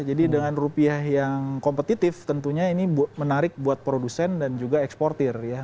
jadi dengan rupiah yang kompetitif tentunya ini menarik buat produsen dan juga eksportir ya